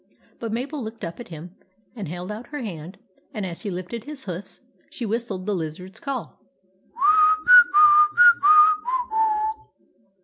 But Mabel looked up at him and held out her hand, and as he lifted his hoofs she whistled the Lizard's call.